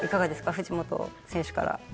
藤本選手から。